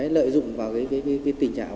lợi dụng vào tình trạng